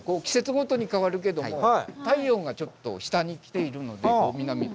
季節ごとに変わるけども太陽がちょっと下にきているので南に。